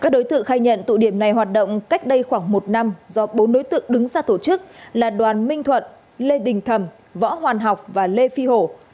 các đối tượng khai nhận tụ điểm này hoạt động cách đây khoảng một năm do bốn đối tượng đứng ra tổ chức là đoàn minh thuận lê đình thầm võ hoàn học và lê phi hổ